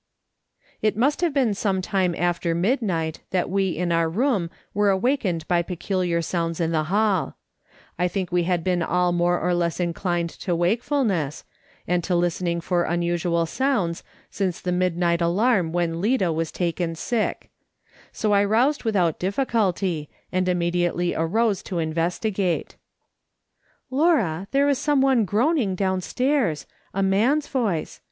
It must have been some time after midnight that we in our room were awakened by peculiar sounds in the halL I think we had been all more or less inclined to wakefulness, and to listening for unusual sounds, since the midnight alarm when Lida was taken sick ; so I roused without difficulty, and immediately arose to investigate. " Laura, there is someone groaning downstairs, a man's voice.